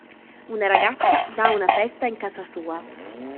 Una ragazza dà una festa in casa sua.